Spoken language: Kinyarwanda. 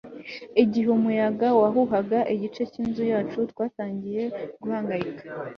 igihe umuyaga wahuhaga igice cyinzu yacu, twatangiye guhangayika